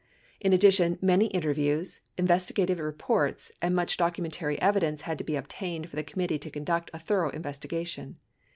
In addition, many interviews, investigative reports, and much documentary evidence had to be obtained for the committee to conduct a thorough investigation.